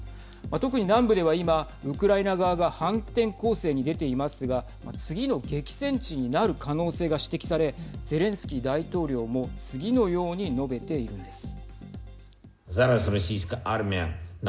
特に南部では今、ウクライナ側が反転攻勢に出ていますが次の激戦地になる可能性が指摘されゼレンスキー大統領も次のように述べているんです。